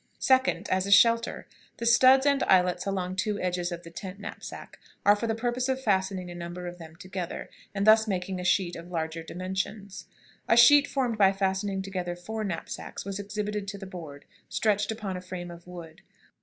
"2d. As a shelter. The studs and eyelets along two edges of the tent knapsack are for the purpose of fastening a number of them together, and thus making a sheet of larger dimensions. "A sheet formed by fastening together four knapsacks was exhibited to the Board, stretched upon a frame of wood.